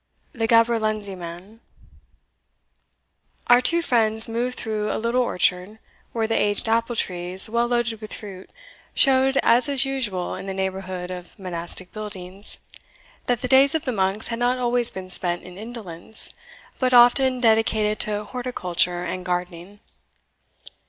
The Gaberlunzie Man. Our two friends moved through a little orchard, where the aged apple trees, well loaded with fruit, showed, as is usual in the neighbourhood of monastic buildings, that the days of the monks had not always been spent in indolence, but often dedicated to horticulture and gardening.